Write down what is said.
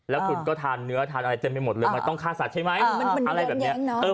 แล้วคุณก็ทานเนื้อทานอะไรเต็มไปหมดเลยมันต้องฆ่าสัตว์ใช่ไหมอะไรแบบนี้